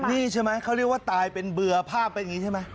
นี่ใช่ไหมเขาเรียกว่าตายเป็นเบื่อภาพเป็นอย่างนี้ใช่ไหม